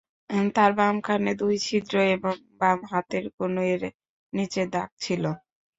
তার বাম কানে দুটি ছিদ্র এবং বাম হাতের কনুইয়ের নিচে দাগ ছিল।